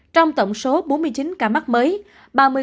trong tổng số bốn mươi chín ca mắc mới